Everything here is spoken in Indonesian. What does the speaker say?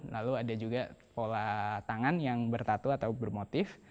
lalu ada juga pola tangan yang bertatu atau bermotif